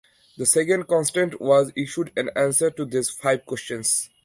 The second contestant was issued an answer to these five questions.